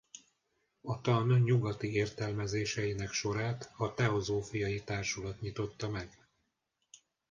A Tan nyugati értelmezéseinek sorát a Teozófiai Társulat nyitotta meg.